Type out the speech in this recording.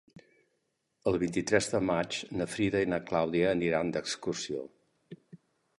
El vint-i-tres de maig na Frida i na Clàudia aniran d'excursió.